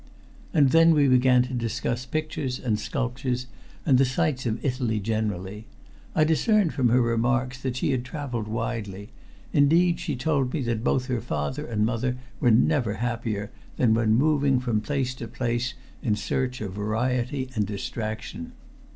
And then we began to discuss pictures and sculptures and the sights of Italy generally. I discerned from her remarks that she had traveled widely; indeed, she told me that both her father and mother were never happier than when moving from place to place in search of variety and distraction.